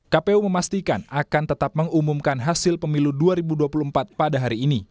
kpu memastikan akan tetap mengumumkan hasil pemilu dua ribu dua puluh empat pada hari ini